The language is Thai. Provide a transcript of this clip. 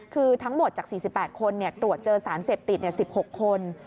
คือทั้งหมดจาก๔๘คนตรวจเจอสารเสพติด๑๖คน